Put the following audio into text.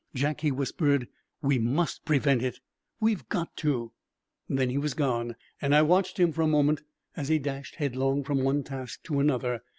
"Jack," he whispered, "we must prevent it. We've got to!" Then he was gone, and I watched him for a moment as he dashed headlong from one task to another.